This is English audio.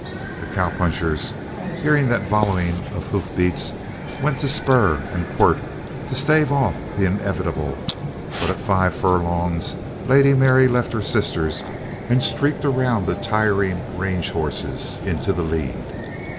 The cowpunchers, hearing that volleying of hoofbeats, went to spur and quirt to stave off the inevitable, but at five furlongs Lady Mary left her sisters and streaked around the tiring range horses into the lead.